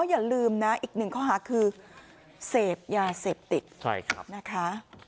อย่าลืมนะอีกหนึ่งข้อหาคือเสพยาเสพติดนะคะ